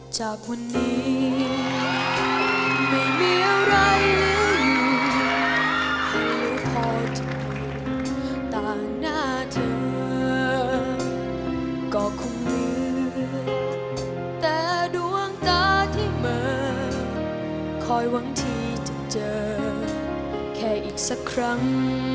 ก็คงเหลือแต่ดวงตาที่เหมือนคอยหวังที่จะเจอแค่อีกสักครั้ง